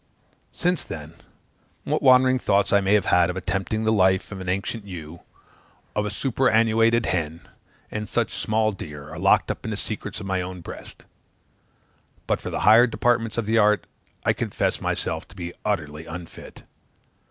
Since then, what wandering thoughts I may have had of attempting the life of an ancient ewe, of a superannuated hen, and such "small deer," are locked up in the secrets of my own breast; but for the higher departments of the art, I confess myself to be utterly unfit.